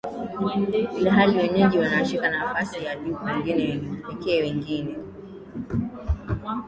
ilhali wenyeji wanashika nafasi ya juu pekee wengine